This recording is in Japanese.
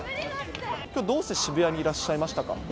きょう、どうして渋谷にいらっしゃいましたか？